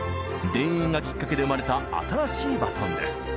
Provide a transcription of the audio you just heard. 「田園」がきっかけで生まれた新しいバトンです。